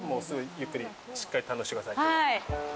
ゆっくり、しっかり堪能してください。